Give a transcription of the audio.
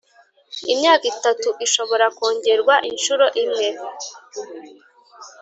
Imyaka itatu ishobora kongerwa inshuro imwe.